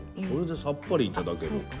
それでさっぱり頂ける。